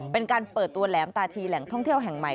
เป็นการเปิดตัวแหลมตาชีแหล่งท่องเที่ยวแห่งใหม่